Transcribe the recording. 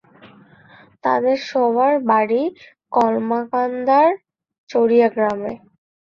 তাঁদের সবার বাড়ি কলমাকান্দার চারিয়া গ্রামে।